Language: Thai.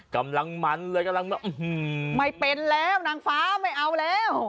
กำลังมันเลยกำลังแบบไม่เป็นแล้วนางฟ้าไม่เอาแล้ว